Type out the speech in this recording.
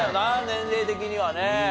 年齢的にはね。